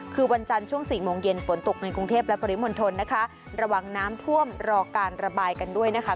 คือวันจันทร์ช่วงสี่โมงเย็นฝนตกในกรุงเทพและปริมณฑลนะคะระวังน้ำท่วมรอการระบายกันด้วยนะคะ